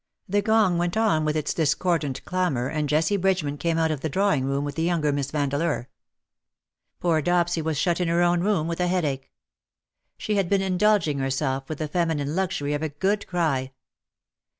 The gong went on with its discordant clamour, and Jessie Bridgeman came out of the drawing room with the younger Miss Vandeleur. Poor Dopsy was shut in her own room, with a headache. She had been indulging herself with the feminine luxury of a good cry.